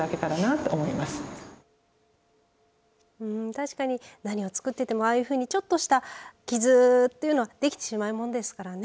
確かに何を作っていてもああいうふうにちょっとした傷というのはできてしまうものですからね。